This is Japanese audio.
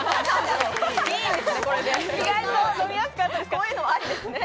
こういうのもありですね。